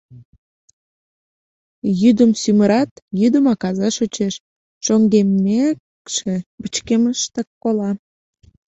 Йӱдым сӱмырат, йӱдымак аза шочеш, шоҥгеммекше, пычкемыштак кола.